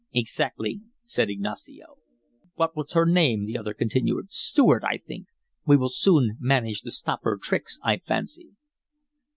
"Exactly," said Ignacio. "What was her name?" the other continued. "Stuart, I think. We will soon manage to stop her tricks, I fancy."